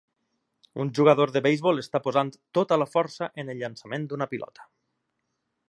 Un jugador de beisbol està posant tota la força en el llançament d'una pilota.